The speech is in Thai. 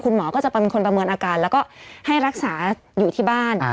หมอก็จะเป็นคนประเมินอาการแล้วก็ให้รักษาอยู่ที่บ้าน